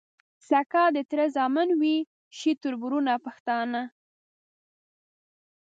سکه د تره زامن وي شي تــربـــرونـه پښتانه